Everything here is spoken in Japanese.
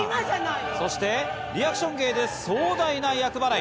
そしてリアクション芸で壮大な厄払い。